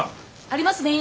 ありますね。